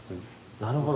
なるほど。